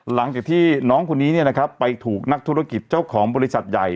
หลังจากที่น้องคนนี้ไปถูกนักธุรกิจเจ้าของบริษัทใหญ่